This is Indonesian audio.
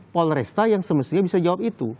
polres tachirebon yang semestinya bisa jawab itu